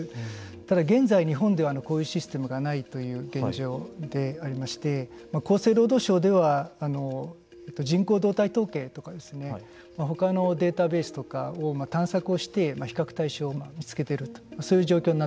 ただ、現在日本ではこういうシステムがないという現状でありまして厚生労働省では人口動態統計とかほかのデータベースとかを探索をして比較対照を見つけていると。